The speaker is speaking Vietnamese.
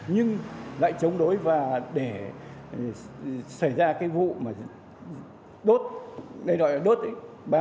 nhưng lại chống đối và để xảy ra cái vụ mà đốt đây gọi là đốt ý